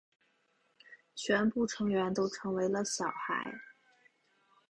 全部成员都成为了小孩。